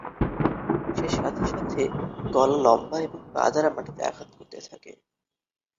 সে সাথে সাথে গলা লম্বা এবং পা দ্বারা মাটিতে আঘাত করতে থাকে।